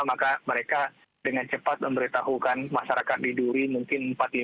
maka mereka dengan cepat memberitahukan masyarakat di duri mungkin empat lima